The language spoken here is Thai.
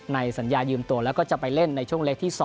สัญญายืมตัวแล้วก็จะไปเล่นในช่วงเล็กที่๒